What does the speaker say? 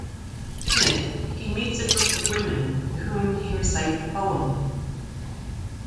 In it, he meets a group of women to whom he recites a poem.